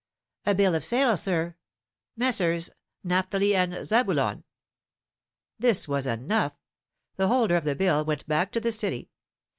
"A bill of sale, sir. Messrs. Napthali and Zabulon." This was enough. The holder of the bill went back to the City.